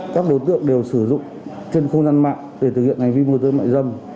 các đối tượng đều sử dụng trên không gian mạng để thực hiện hành vi môi giới mại dâm